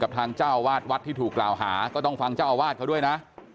ทางเจ้าวาดวัดที่ถูกกล่าวหาก็ต้องฟังเจ้าอาวาสเขาด้วยนะ